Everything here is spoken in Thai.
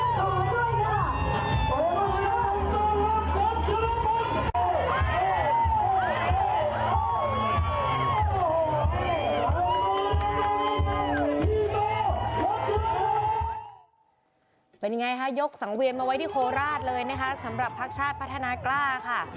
เป็นยังไงคะยกสังเวียนมาไว้ที่โคราชเลยนะคะสำหรับภักดิ์ชาติพัฒนากล้าค่ะ